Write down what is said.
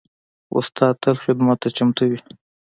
استاد تل خدمت ته چمتو وي.